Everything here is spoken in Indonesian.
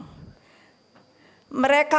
hai mereka warisnya ketua umum lalu aku harus mohon kamu